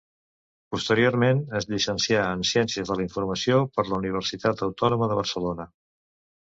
Posteriorment, es llicencià en Ciències de la Informació per la Universitat Autònoma de Barcelona.